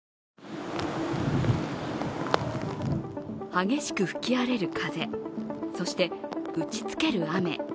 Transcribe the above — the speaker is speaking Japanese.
激しく吹き荒れる風そして打ちつける雨。